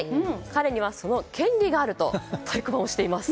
彼にはその権利があると太鼓判を押しています。